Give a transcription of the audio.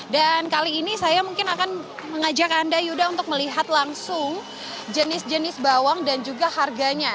dan kali ini saya mungkin akan mengajak anda yuda untuk melihat langsung jenis jenis bawang dan juga harganya